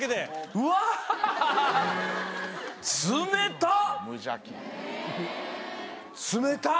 うわあ冷たっ！